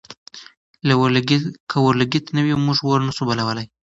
که اورلګیت نه وي، موږ اور نه شو بلولی.